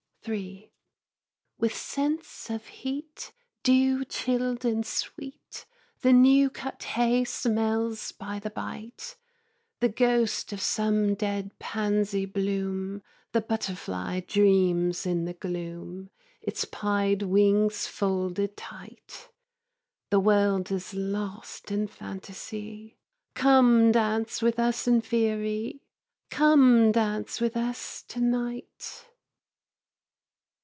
III. With scents of heat, dew chilled and sweet, The new cut hay smells by the bight; The ghost of some dead pansy bloom, The butterfly dreams in the gloom, Its pied wings folded tight. The world is lost in fantasy, Come dance with us in Faëry, Come dance with us to night.